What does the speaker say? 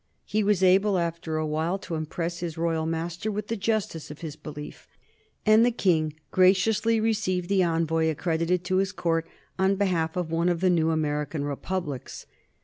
He was able, after a while, to impress his royal master with the justice of his belief, and the King graciously received the envoy accredited to his Court on behalf of one of the new American Republics.